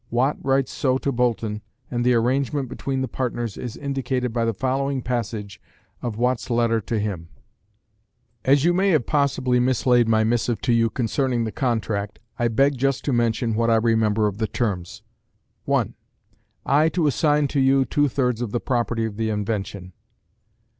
Watt writes so to Boulton, and the arrangement between the partners is indicated by the following passage of Watt's letter to him: As you may have possibly mislaid my missive to you concerning the contract, I beg just to mention what I remember of the terms. 1. I to assign to you two thirds of the property of the invention.